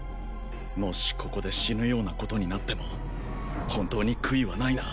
もしここで死ぬようなことになっても本当に悔いはないな？